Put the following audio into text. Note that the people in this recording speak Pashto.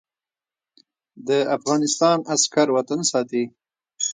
د افغانستان عسکر وطن ساتي